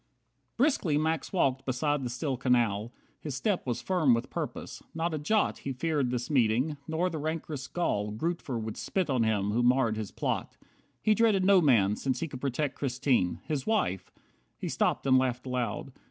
47 Briskly Max walked beside the still canal. His step was firm with purpose. Not a jot He feared this meeting, nor the rancorous gall Grootver would spit on him who marred his plot. He dreaded no man, since he could protect Christine. His wife! He stopped and laughed aloud.